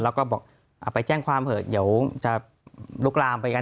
แล้วก็บอกไปแจ้งความเถอะเดี๋ยวจะลุกลามไปกัน